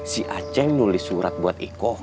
si aceh yang nulis surat buat iko